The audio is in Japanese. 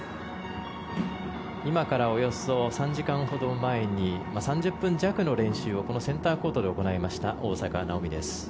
今からおよそ３時間ほど前に３０分弱の練習をこのセンターコートで行いました大坂なおみです。